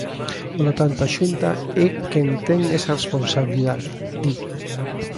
Polo tanto, a Xunta é quen ten esa responsabilidade, di.